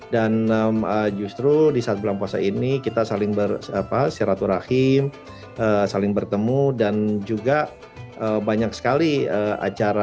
dan justru di saat bulan puasa ini kita saling berseerat ur rahim saling bertemu dan juga banyak sekali acara